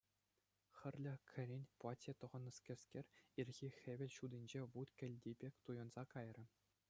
Хӗрлӗ кӗрен платье тӑхӑннӑскер, ирхи хӗвел ҫутинче вут кӗлти пек туйӑнса кайрӗ.